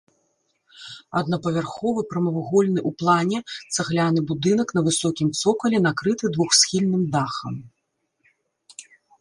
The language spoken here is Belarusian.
Аднапавярховы прамавугольны ў плане цагляны будынак на высокім цокалі, накрыты двухсхільным дахам.